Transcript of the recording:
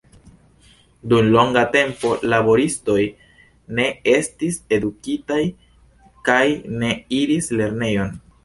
Dum longa tempo, laboristoj ne estis edukitaj kaj ne iris lernejon.